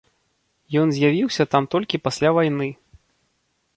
Ён з'явіўся там толькі пасля вайны.